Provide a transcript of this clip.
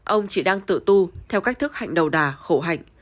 ông chỉ đang tự tu theo cách thức hạnh đầu đà khổ hạnh